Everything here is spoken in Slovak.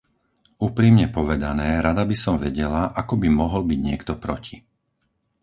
Úprimne povedané, rada by som vedela, ako by mohol byť niekto proti.